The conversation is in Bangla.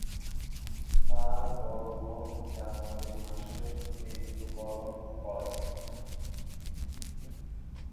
তার বড় বোন জানুয়ারি মাসে মৃত্যুবরণ করে।